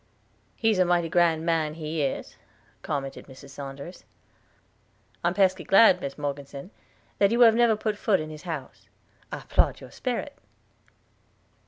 "He's a mighty grand man, he is," commented Mrs. Saunders. "I am pesky glad, Mis Morgeson, that you have never put foot in his house. I 'plaud your sperit!"